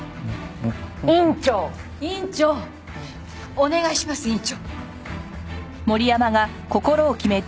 お願いします院長！